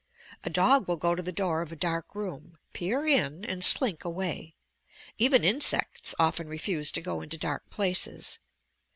A dog will go to the door of a dark room, peer in and slink away. Even insects often refuse to go into dark places.